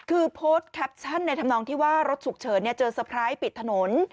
คือโพสต์แคปชั่นในทำนองที่ว่ารถสุขเฉินเจอสเติร์นปิดถนน